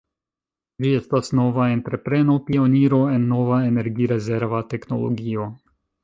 Ĝi estas nova entrepreno, pioniro en nova energi-rezerva teknologio.